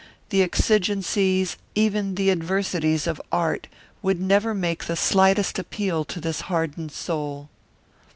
The exigencies, even the adversities, of art would never make the slightest appeal to this hardened soul.